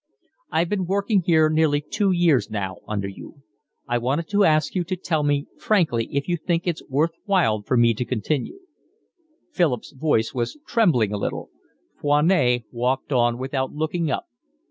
"I've been working here nearly two years now under you. I wanted to ask you to tell me frankly if you think it worth while for me to continue." Philip's voice was trembling a little. Foinet walked on without looking up.